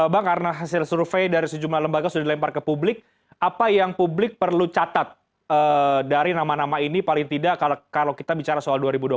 bang karena hasil survei dari sejumlah lembaga sudah dilempar ke publik apa yang publik perlu catat dari nama nama ini paling tidak kalau kita bicara soal dua ribu dua puluh empat